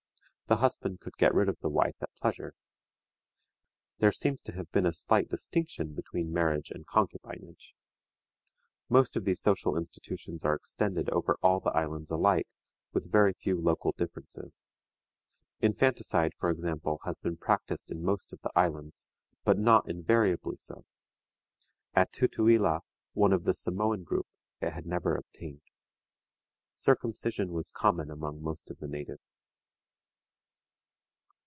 The husband could get rid of the wife at pleasure. There seems to have been a slight distinction between marriage and concubinage. Most of these social institutions are extended over all the islands alike, with very few local differences. Infanticide, for example, has been practiced in most of the islands, but not invariably so. At Tutuila, one of the Samoan group, it had never obtained. Circumcision was common among most of the natives.